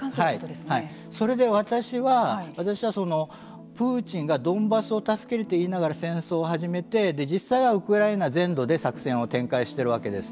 それで私はプーチンがドンバスを助けると言いながら戦争を始めて実際はウクライナ全土で作戦を展開しているわけです。